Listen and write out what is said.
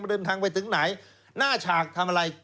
เดินทางไปถึงไหนหน้าฉากทำอะไร